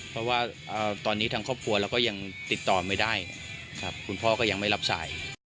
เพราะว่าตอนนี้ทางครอบครัวเราก็ยังติดต่อไม่ได้ครับคุณพ่อก็ยังไม่รับสาย